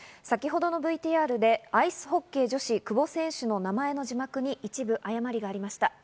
先程のＶＴＲでアイスホッケー女子、久保選手の名前の字幕に一部誤りがありました。